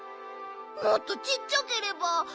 もっとちっちゃければ。